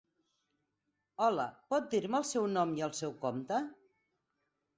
Hola, pot dir-me el seu nom i el seu compte?